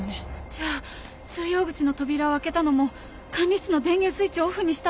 じゃあ通用口の扉を開けたのも管理室の電源スイッチをオフにしたのも。